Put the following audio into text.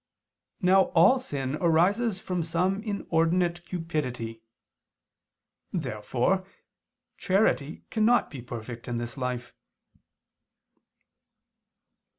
Now all sin arises from some inordinate cupidity. Therefore charity cannot be perfect in this life.